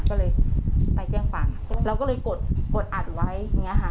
ก็เลยไปแจ้งความเราก็เลยกดกดอัดไว้อย่างนี้ค่ะ